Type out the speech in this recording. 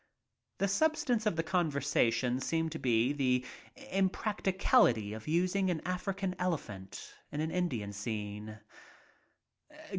The substance of the conversation seemed to be the practicability of using an African elephant in an Indian scene.